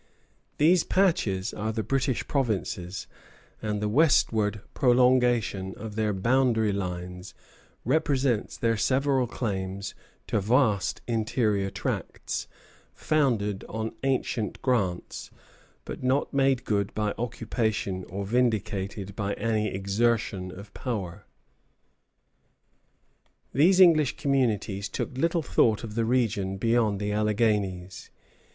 These patches are the British provinces, and the westward prolongation of their boundary lines represents their several claims to vast interior tracts, founded on ancient grants, but not made good by occupation, or vindicated by any exertion of power. These English communities took little thought of the region beyond the Alleghanies.